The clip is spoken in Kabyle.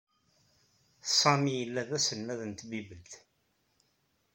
Sami yella d aselmad n tbibelt.